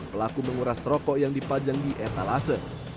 pelaku menguras rokok yang dipajang di etalase